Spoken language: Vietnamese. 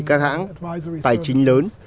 các hãng tài chính lớn